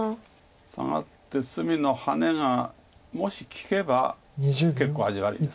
サガって隅のハネがもし利けば結構味悪いですよね。